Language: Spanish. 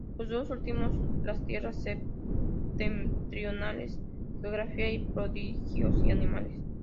Los dos últimos, las tierras septentrionales: geografía, prodigios y animales.